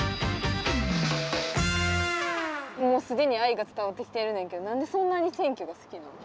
もう既に愛が伝わってきてるねんけど何でそんなに選挙が好きなん？